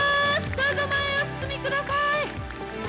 どうぞ前へお進みください。